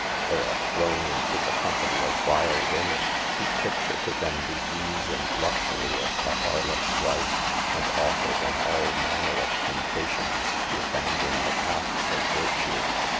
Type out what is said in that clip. They are thrown into the company of vile women, who picture to them the ease and luxury of a harlot's life, and offer them all manner of temptations to abandon the paths of virtue.